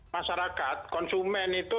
masyarakat konsumen itu